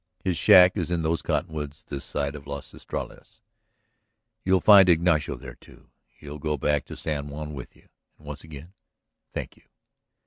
His shack is in those cottonwoods, this side of Las Estrellas. You'll find Ignacio there, too; he'll go back to San Juan with you. And, once again, thank you."